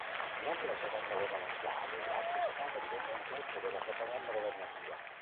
Durante la seconda guerra mondiale, la testata divenne oggetto della propaganda governativa.